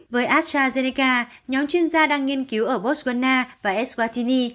với astrazeneca nhóm chuyên gia đang nghiên cứu ở botswana và eswattini